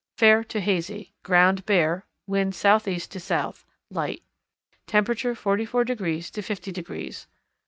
Fair to hazy; ground bare; wind southeast to south, light; temperature 44 degrees to 50 degrees.